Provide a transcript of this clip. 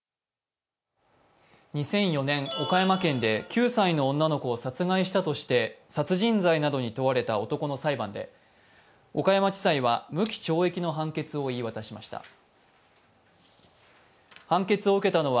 ２００４年、岡山県で９歳の女の子を殺害したとして殺人罪などに問われた男の裁判で岡山地裁は無期懲役の判決を言い渡しました。